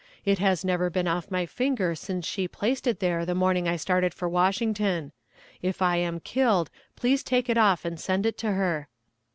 It has never been off my finger since she placed it there the morning I started for Washington. If I am killed please take it off and send it to her."